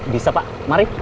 bisa pak mari